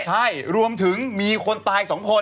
ใช่รวมถึงมีคนตาย๒คน